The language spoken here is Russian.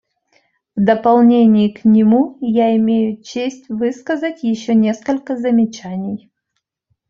В дополнение к нему я имею честь высказать еще несколько замечаний.